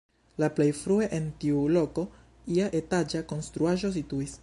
La plej frue en tiu loko ia etaĝa konstruaĵo situis.